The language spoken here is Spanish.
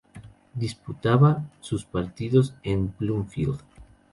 Disputaba sus partidos en Bloomfield.